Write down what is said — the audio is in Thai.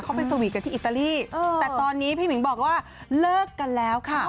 เขาไปสวีทกันที่อิตาลีแต่ตอนนี้พี่หมิงบอกว่าเลิกกันแล้วค่ะ